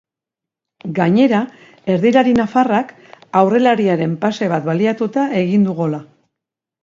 Gainera, erdilari nafarrak aurrelariaren pase bat baliatuta egin du gola.